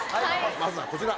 まずはこちら。